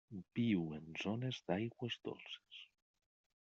Viu en zones d'aigües dolces.